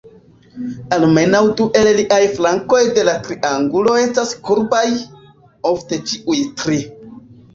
Almenaŭ du el la flankoj de la triangulo estas kurbaj; ofte ĉiuj tri.